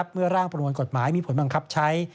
เมื่อร่างประมวลกฎหมายมีผลบังคับใช้